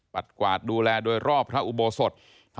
กวาดดูแลโดยรอบพระอุโบสถ